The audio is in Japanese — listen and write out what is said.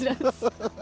ハハハ。